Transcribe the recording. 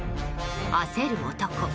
焦る男。